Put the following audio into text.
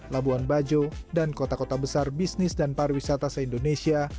labuan bajo dan kota kota besar bisnis dan pariwisata se indonesia